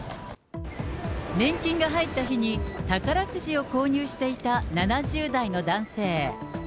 年金が入った日に、宝くじを購入していた７０代の男性。